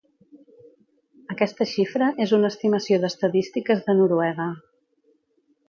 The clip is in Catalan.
Aquesta xifra és una estimació d'Estadístiques de Noruega.